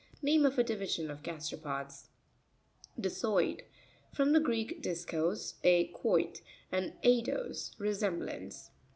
Name ofa division of gasteropods (page 62). Di'scoip.—F rom the Greek, diskos, a quoit, and eidos, resemblance.